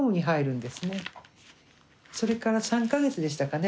それから３か月でしたかね